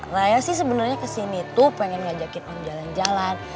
raya sih sebenernya kesini tuh pengen ngajakin om jalan jalan